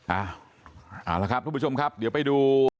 เอาละครับทุกผู้ชมครับเดี๋ยวไปดู